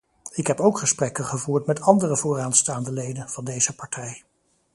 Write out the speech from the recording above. Ik heb ook gesprekken gevoerd met andere vooraanstaande leden van deze partij.